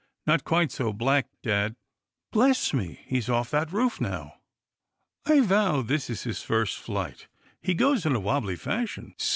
" Not quite so black, dad. Bless me — he's off that roof now. I vow this is his first flight. He goes in a wobbly fashion.